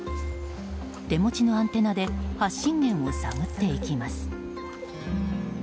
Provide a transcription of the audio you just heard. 手持ちのアンテナで発信源を探っていきます。